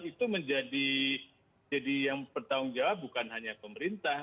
itu menjadi yang bertanggung jawab bukan hanya pemerintah